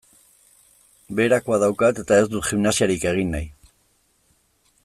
Beherakoa daukat eta ez dut gimnasiarik egin nahi.